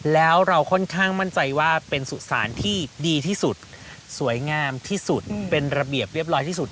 แล้วเราค่อนข้างมั่นใจว่าเป็นสุสานที่ดีที่สุดสวยงามที่สุดเป็นระเบียบเรียบร้อยที่สุด